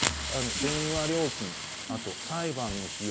電話料金、あと裁判の費用